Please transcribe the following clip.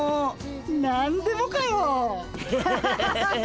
何でもかよ。